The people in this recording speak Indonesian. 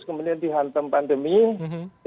kemudian dihantam pandemi